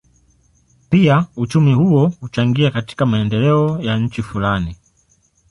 Pia uchumi huo huchangia katika maendeleo ya nchi fulani.